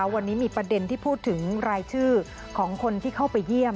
วันนี้มีประเด็นที่พูดถึงรายชื่อของคนที่เข้าไปเยี่ยม